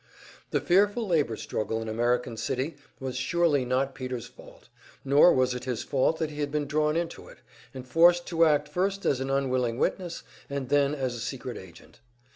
The fearful labor struggle in American City was surely not Peter's fault; nor was it his fault that he had been drawn into it, and forced to act first as an unwilling witness, and then as a secret agent.